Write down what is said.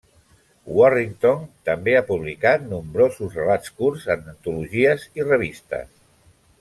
Warrington també ha publicat nombrosos relats curts en antologies i revistes.